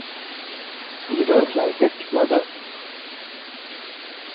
You don't like it, mother?